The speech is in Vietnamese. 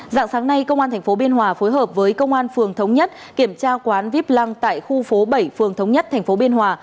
dạng sáng nay công an tp biên hòa phối hợp với công an phường thống nhất kiểm tra quán vip lăng tại khu phố bảy phường thống nhất tp biên hòa